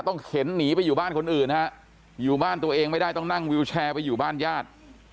เข็นหนีไปอยู่บ้านคนอื่นฮะอยู่บ้านตัวเองไม่ได้ต้องนั่งวิวแชร์ไปอยู่บ้านญาติ